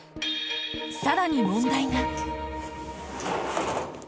さらに問題が。